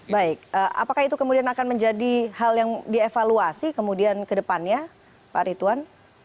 baik apakah itu kemudian akan menjadi hal yang dievaluasi kemudian ke depannya pak ritwan